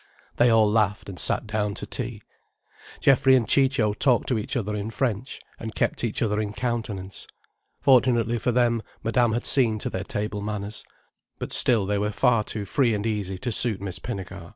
They all laughed, and sat down to tea. Geoffrey and Ciccio talked to each other in French, and kept each other in countenance. Fortunately for them, Madame had seen to their table manners. But still they were far too free and easy to suit Miss Pinnegar.